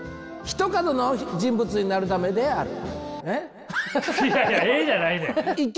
「ひと角の人物になるためである」。